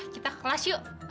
kita ke kelas yuk